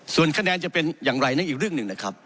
ส่วนคะแนนจะเป็นอย่างไรนั่นอีกเรื่องหนึ่งนะครับ